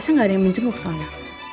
saya rasa gak ada yang menjemuk soalnya